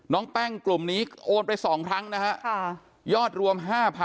น้องแป้งกลุ่มนี้โอนไป๒ครั้งนะฮะยอดรวม๕๐๐๐